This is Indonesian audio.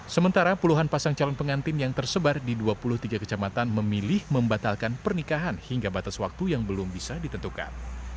sementara puluhan pasang calon pengantin yang tersebar di dua puluh tiga kecamatan memilih membatalkan pernikahan hingga batas waktu yang belum bisa ditentukan